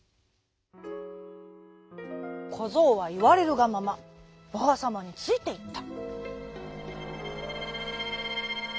こぞうはいわれるがままばあさまについていった。